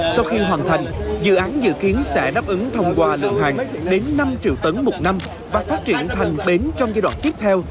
sau khi hoàn thành dự án dự kiến sẽ đáp ứng thông qua lượng hàng đến năm triệu tấn một năm và phát triển thành bến trong giai đoạn tiếp theo